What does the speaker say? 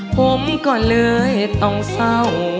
ผมก็เลยต้องเศร้า